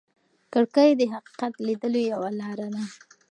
کړکۍ د حقیقت لیدلو یوه لاره ده.